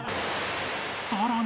［さらに］